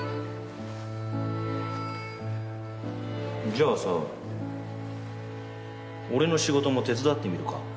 じゃあさ俺の仕事も手伝ってみるか？